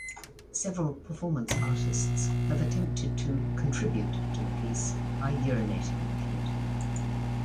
Several performance artists have attempted to "contribute" to the piece by urinating in it.